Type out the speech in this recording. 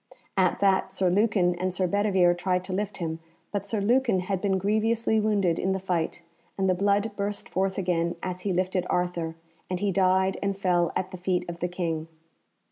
At that Sir Lucan and Sir Bedivere tried to lift him, but Sir Lucan had been grievously wounded in the fight, and the blood burst forth again as he lifted Arthur, and he died and fell at the feet of the King.